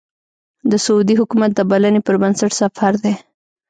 د سعودي حکومت د بلنې پر بنسټ سفر دی.